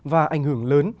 và ảnh hưởng lớn